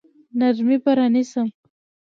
نرمي به رانیسم.